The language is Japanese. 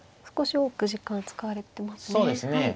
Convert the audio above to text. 少し多く時間使われてますね。